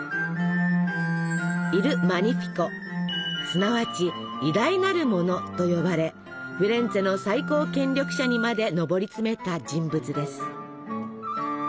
すなわち「偉大なる者」と呼ばれフィレンツェの最高権力者にまで上り詰めた人物です。